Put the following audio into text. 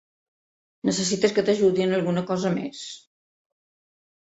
Necessites que t'ajudi en alguna cosa més?